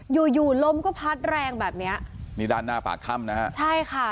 อยู่อยู่ลมก็พัดแรงแบบเนี้ยนี่ด้านหน้าปากถ้ำนะฮะใช่ค่ะ